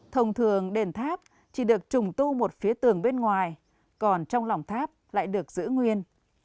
thông thường đền tháp chỉ được trùng tu một phía tường bên ngoài còn trong lòng tháp lại được giữ nguyên